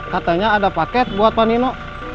katanya ada paket buat pak nino